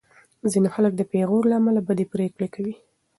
ځینې خلک د پېغور له امله بدې پرېکړې کوي.